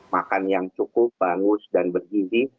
makan yang cukup bangus dan berhenti